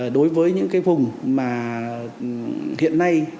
đối với những cái vùng mà hiện nay